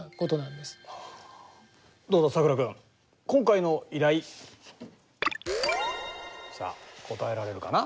今回の依頼さあ答えられるかな？